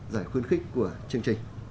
giải khuyến khích của chương trình